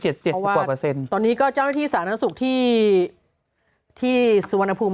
ตอนนี้ก็เจ้าหน้าที่สาธารณสุขที่ที่สุวรรณภูมิ